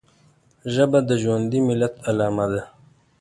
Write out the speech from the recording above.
ژبه د ژوندي ملت علامه ده